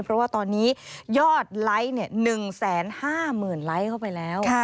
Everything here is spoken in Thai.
เพราะว่าตอนนี้ยอดไลค์๑๕๐๐๐ไลค์เข้าไปแล้ว